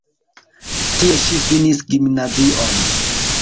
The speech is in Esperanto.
Tie ŝi finis gimnazion.